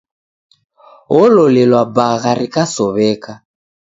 Ololelwa bagha rikasow'eka.